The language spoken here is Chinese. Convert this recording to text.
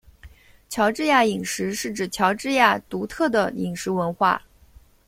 乔治亚饮食是指乔治亚独特的饮食文化。